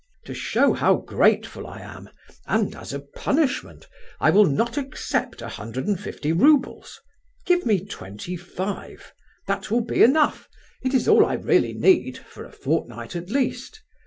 To show how grateful I am, and as a punishment, I will not accept a hundred and fifty roubles. Give me twenty five—that will be enough; it is all I really need, for a fortnight at least.